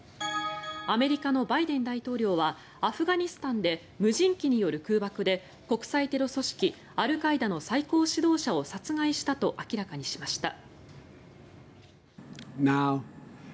アメリカのバイデン大統領はアフガニスタンで無人機による空爆で国際テロ組織アルカイダの最高指導者を殺害したと明らかにしました。